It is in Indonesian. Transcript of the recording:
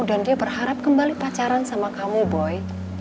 dan dia berharap kembali pacaran sama kamu boy